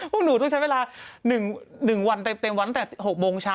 พวกหนูต้องใช้เวลา๑วันเต็มวันตั้งแต่๖โมงเช้า